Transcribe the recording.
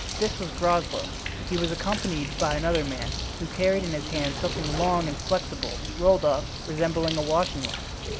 This was Groslow. He was accompanied by another man, who carried in his hand something long and flexible rolled up, resembling a washing line.